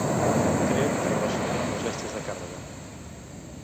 Tret que relacionem amb les bèsties de càrrega.